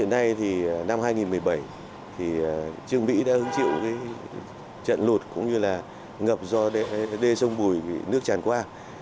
năm hai nghìn một mươi bảy trương mỹ đã hứng chịu trận lụt cũng như ngập do đê sông bùi nước tràn qua